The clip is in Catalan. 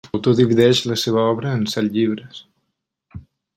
L'autor divideix la seva obra en set llibres.